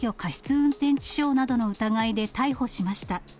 運転致傷などの疑いで逮捕しました。